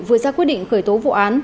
vừa ra quyết định khởi tố vụ án